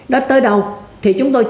đó tới đâu thì chúng tôi